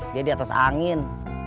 dia di atas angin